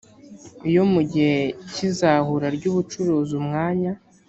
iyo mu gihe cy izahura ry ubucuruzi umwanya